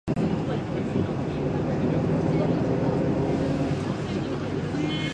応援してる選手が準決勝で負けちゃったよ